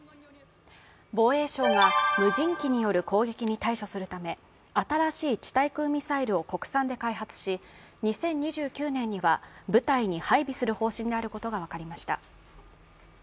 防衛省が無人機による攻撃に対処するため、新しい地対空ミサイルを国産で開発し２０２９年には部隊に配備する方針であることが分かりました。